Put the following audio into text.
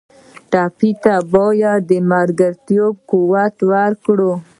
ټپي ته باید د ملګرتیا قوت ورکړو.